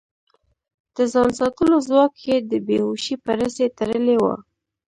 د ځان ساتلو ځواک يې د بې هوشۍ په رسۍ تړلی و.